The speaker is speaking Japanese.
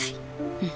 うん。